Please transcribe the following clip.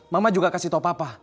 mama juga kasih tau papa